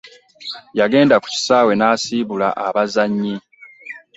Yagenda ku kisaawe nasiibula abazannyi.